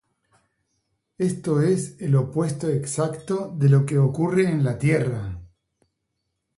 Esto es el opuesto exacto de lo que ocurre en la Tierra.